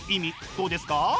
どうですか？